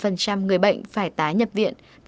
hai mươi người bệnh phải tái nhập viện